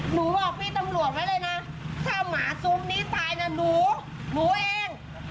หนูบอกพี่ตำรวจไว้เลยนะถ้าหมาซุ้มนี้ตายนะหนูหนูเอง